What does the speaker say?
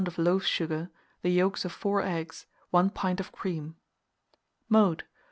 of loaf sugar, the yolks of 4 eggs, 1 pint of cream. Mode.